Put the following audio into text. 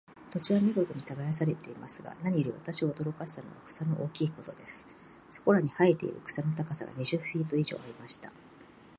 土地は見事に耕されていますが、何より私を驚かしたのは、草の大きいことです。そこらに生えている草の高さが、二十フィート以上ありました。